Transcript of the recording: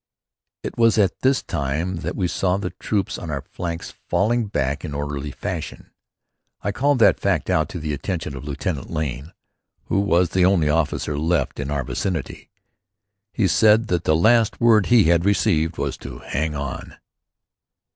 It was at this time that we saw the troops on our flanks falling back in orderly fashion. I called that fact to the attention of Lieutenant Lane, who was the only officer left in our vicinity. He said that the last word he had received was to hang on.